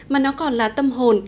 mà nó còn là tâm hồn